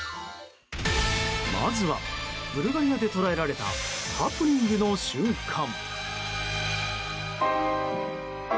まずはブルガリアで捉えられたハプニングの瞬間。